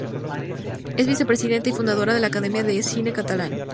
Es vicepresidenta y fundadora de la Academia del Cine Catalán.